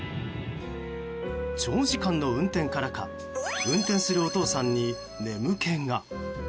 長時間の運転からか運転するお父さんに眠気が。